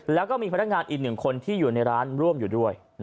แล้วก็มีพนักงานอีกหนึ่งคนที่อยู่ในร้านร่วมอยู่ด้วย